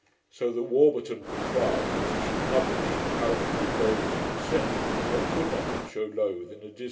So that Warburton contrived that he should publish, apparently with Lowth's consent, what could not but shew Lowth in a disadvantageous light.'